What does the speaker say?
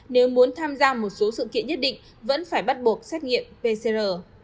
nếu muốn tham gia một số sự kiện nhất định vẫn phải bắt buộc xét nghiệm pcr